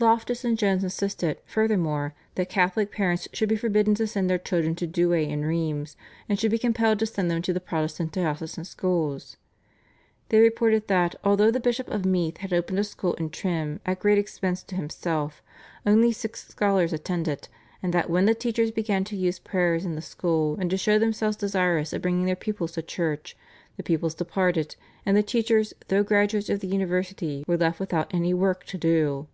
Loftus and Jones insisted, furthermore, that Catholic parents should be forbidden to send their children to Douay and Rheims, and should be compelled to send them to the Protestant diocesan schools. They reported that although the Bishop of Meath had opened a school in Trim at great expense to himself, only six scholars attended, and that when the teachers began to use prayers in the school and to show themselves desirous of bringing their pupils to church, the pupils departed, and the teachers, though graduates of the University, were left without any work to do.